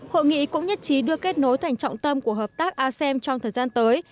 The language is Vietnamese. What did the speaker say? hội nghị cũng nhất trí đưa kết nối thành trọng tâm của hợp tác asem trong thời gian tới